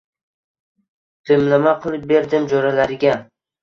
Dimlama qilib berdim jo‘ralariga